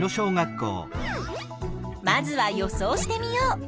まずは予想してみよう。